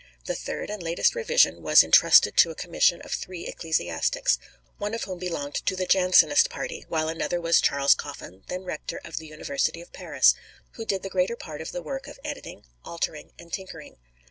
The third and latest revision was intrusted to a commission of three ecclesiastics, one of whom belonged to the Jansenist party, while another was Charles Coffin, then Rector of the University of Paris, who did the greater part of the work of editing, altering, and tinkering.